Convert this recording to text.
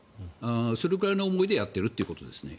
それくらいの思いでやっているということですね。